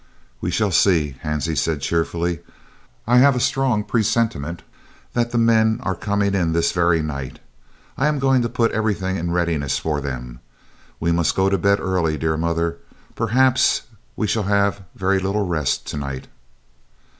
"We shall see," Hansie said cheerfully. "I have a strong presentiment that the men are coming in this very night. I am going to put everything in readiness for them, and we must go to bed early, dear mother. Perhaps we shall have very little rest to night."